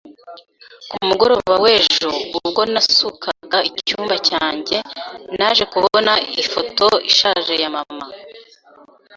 Ku mugoroba w'ejo, ubwo nasukaga icyumba cyanjye, naje kubona ifoto ishaje ya mama